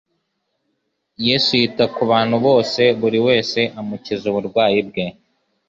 Yesu yita ku bantu bose, buri wese amukiza uburwayi bwe.